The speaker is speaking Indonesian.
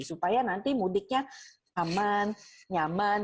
supaya nanti mudiknya aman nyaman